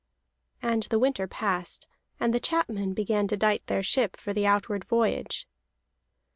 And the winter passed, and the chapmen began to dight their ship for the outward voyage.